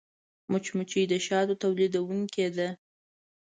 مچمچۍ د شاتو تولیدوونکې ده